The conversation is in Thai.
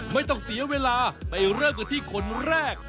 ไม่ต้องเสียเวลาไปเริ่มกันที่คนแรก